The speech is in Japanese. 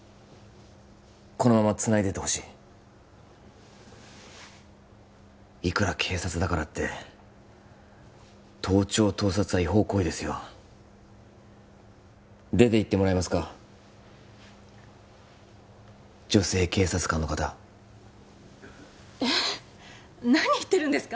このままつないでてほしいいくら警察だからって盗聴・盗撮は違法行為ですよ出ていってもらえますか女性警察官の方えっ何言ってるんですか？